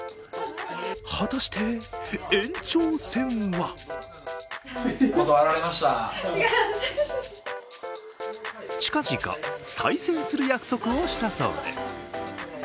果たして延長戦は近々、再戦する約束をしたそうです。